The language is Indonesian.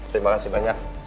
terima kasih banyak